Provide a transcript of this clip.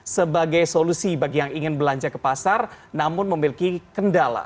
sebagai solusi bagi yang ingin belanja ke pasar namun memiliki kendala